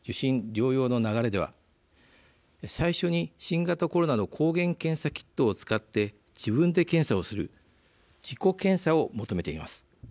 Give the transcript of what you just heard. ・療養の流れでは最初に新型コロナの抗原検査キットを使って自分で検査をする自己検査を求めています。